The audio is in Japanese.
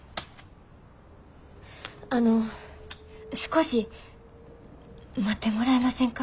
あの少し待ってもらえませんか？